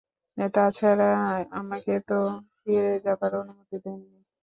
তা ছাড়া, আমাকে তো ফিরে যাবার অনুমতি দেন নি।